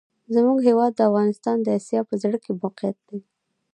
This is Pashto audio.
زموږ هېواد افغانستان د آسیا په زړه کي موقیعت لري.